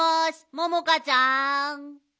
ももかちゃん！